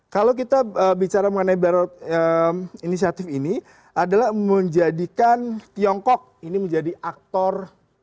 kalau kita bicara mengenai belt road inisiatif ini adalah menjadikan tiongkok ini menjadi aktor